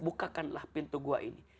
bukakanlah pintu gua ini